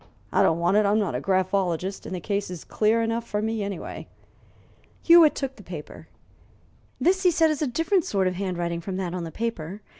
I don't want it; I'm not a graphologist, and the case is clear enough for me anyway." Hewitt took the paper. "This" he said, "is a different sort of handwriting from that on the paper.